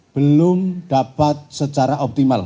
belum dapat secara optimal